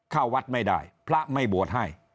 เข้าวัดไม่ได้พระไม่บวชให้